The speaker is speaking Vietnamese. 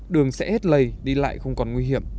đường sẽ hết lầy đi lại không còn nguy hiểm